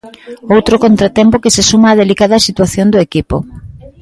Outro contratempo que se suma á delicada situación do equipo.